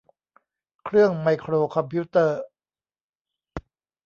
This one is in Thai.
เครื่องไมโครคอมพิวเตอร์